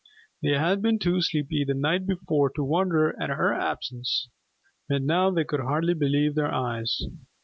They had been too sleepy the night before to wonder at her absence, but now they could hardly believe their eyes.